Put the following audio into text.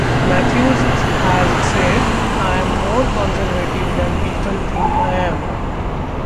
Matthews has said, I'm more conservative than people think I am...